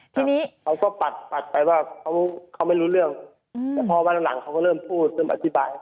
ทีนี้เขาก็ปัดปัดไปว่าเขาไม่รู้เรื่องแต่พอวันหลังเขาก็เริ่มพูดเริ่มอธิบาย